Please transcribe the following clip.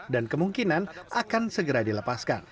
dan kemungkinan akan segera dilepaskan